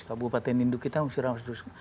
kabupaten induk kita nusirawas